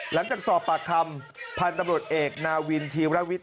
หลังจากสอบปากคำพันธุ์ตำรวจเอกนาวินธีรวิทย